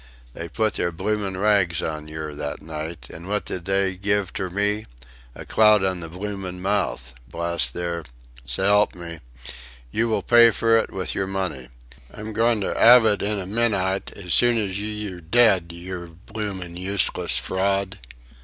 They put their bloomin' rags on yer that night, an' what did they giv' ter me a clout on the bloomin' mouth blast their... S'elp me!... Yer will pay fur it with yer money. I'm goin' ter 'ave it in a minyte; as soon has ye're dead, yer bloomin' useless fraud.